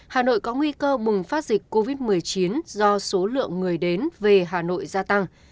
hà nội có nguy cơ bùng phát dịch covid một mươi chín do số lượng người đến về hà nội gia tăng